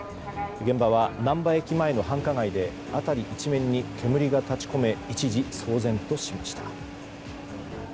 現場は、なんば駅前の繁華街で辺り一面に煙が立ち込め一時、騒然としました。